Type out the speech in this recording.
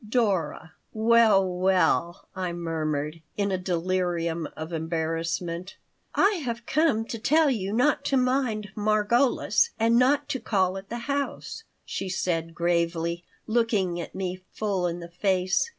"Dora! Well, well!" I murmured in a delirium of embarrassment "I have come to tell you not to mind Margolis and not to call at the house," she said, gravely, looking me full in the face.